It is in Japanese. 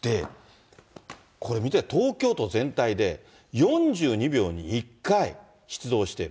これ見て、東京都全体で、４２秒に１回出動している。